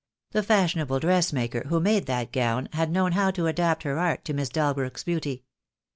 The fashionable dressmaker who made that gown had known 30 THE DAY WILL COME. how to adapt her art to Miss Dalbrook's beauty.